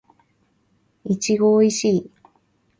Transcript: いちごおいしい